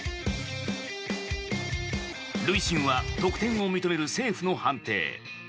塁審は得点を認めるセーフの判定。